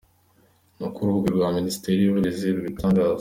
Nk’uko urubuga rwa Minisiteri y’Uburezi rubitangaza.